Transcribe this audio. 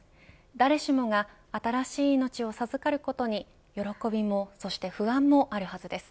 誰しもが新しい命を授かることに喜びもそして不安もあるはずです。